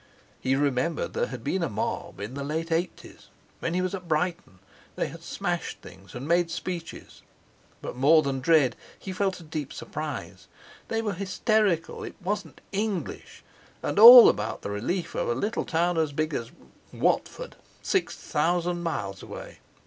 He remembered there had been a mob in the late eighties, when he was at Brighton; they had smashed things and made speeches. But more than dread, he felt a deep surprise. They were hysterical—it wasn't English! And all about the relief of a little town as big as—Watford, six thousand miles away.